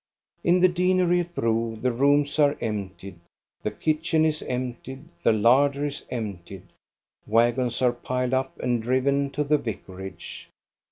In the deanery at Bro the rooms are emptied, the kitchen is emptied, the larder is emptied. Wagons are piled up and driven to the vicarage.